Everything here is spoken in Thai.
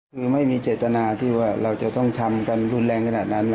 คือไม่มีเจตนาที่ว่าเราจะต้องทำกันรุนแรงขนาดนั้น